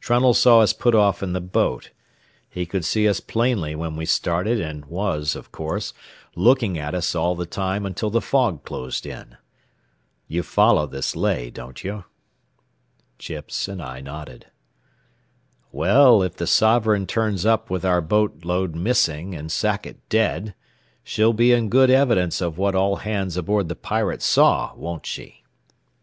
Trunnell saw us put off in the boat. He could see us plainly when we started and was, of course, looking at us all the time until the fog closed in. You follow this lay, don't you?" Chips and I nodded. "Well, if the Sovereign turns up with our boat load missing and Sackett dead, she'll be in good evidence of what all hands aboard the Pirate saw, won't she?"